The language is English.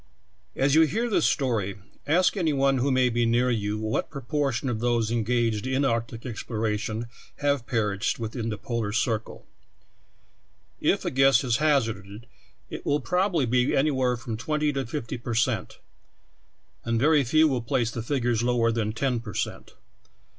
As you read this story, ask any one who may be near you what proportion of those engaged in arc tic exploration have perished within the polar cir cle. If a guess is hazarded, it will probably be any where from twenty to fifty per cent, and very few will place the figures lower than ten per cent.